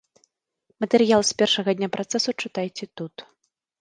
Матэрыял з першага дня працэсу чытайце тут.